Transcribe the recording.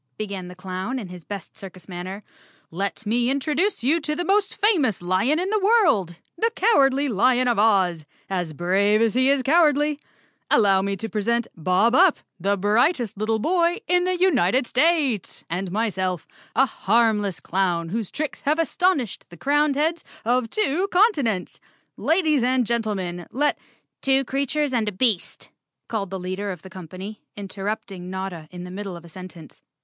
began the clown in his best circus manner, "Let me introduce you to the most famous lion in the world, the Cowardly Lion of Oz, as brave as he is cowardly; allow me to present Bob Up, the brightest little boy in the United States, and my¬ self, a harmless clown whose tricks have astonished the crowned heads of two continents. Ladies and gentlemen, let—" 4 'Two creatures and a beast," called the leader of the company, interrupting Notta in the middle of a sen¬ tence.